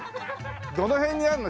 どの辺にあるの？